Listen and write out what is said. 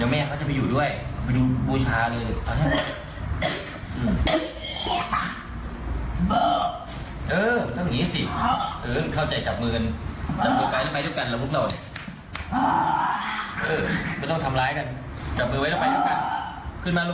มันต้องทำแล้วกัน